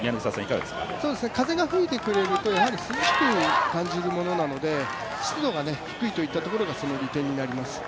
風が吹いてくれると涼しく感じるものなので湿度が低いといったところが、その利点になります。